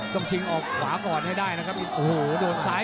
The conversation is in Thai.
ต้องชิงออกหาก่อนให้ได้นะครับอินทาชัย